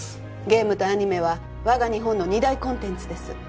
ゲームとアニメは我が日本の二大コンテンツです